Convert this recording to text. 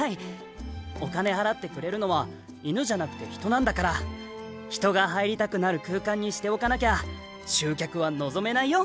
お金払ってくれるのは犬じゃなくて人なんだから人が入りたくなる空間にしておかなきゃ集客は望めないよ